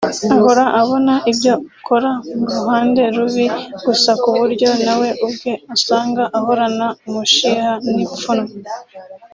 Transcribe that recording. Ahora abona ibyo ukora mu ruhande rubi gusa ku buryo nawe ubwe usanga ahorana umushiha n’ipfunnwe